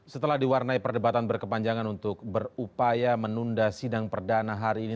setelah diwarnai perdebatan berkepanjangan untuk berupaya menunda sidang perdana hari ini